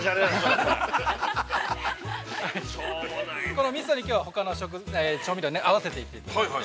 ◆このみそに、きょうはほかの調味料を合わせていっていただいて。